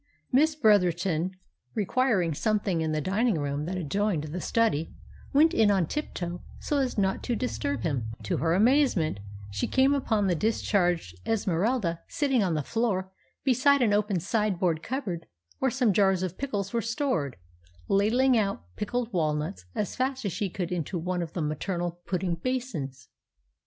Miss Bretherton, requiring something in the dining room that adjoined the study, went in on tiptoe so as not to disturb him, when, to her amazement, she came upon the discharged Esmeralda sitting on the floor beside an open sideboard cupboard where some jars of pickles were stored, ladling out pickled walnuts as fast as she could into one of the maternal pudding basins.